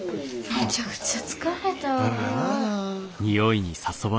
めちゃくちゃ疲れたわ。